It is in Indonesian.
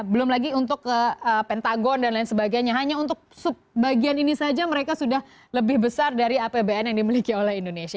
belum lagi untuk pentagon dan lain sebagainya hanya untuk bagian ini saja mereka sudah lebih besar dari apbn yang dimiliki oleh indonesia